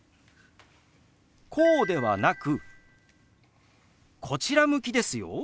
こうではなくこちら向きですよ。